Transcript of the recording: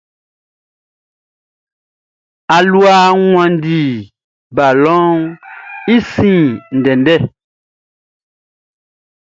Aluaʼn wanndi balɔnʼn i sin ndɛndɛ.